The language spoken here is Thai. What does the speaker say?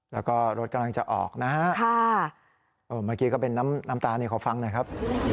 แล้วก็รถกำลังจะออกนะฮะเมื่อกี้ก็เป็นน้ำตานี่ขอฟังหน่อยครับ